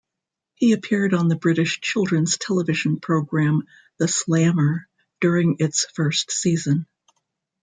He appeared on a British children's television program "The Slammer" during its first season.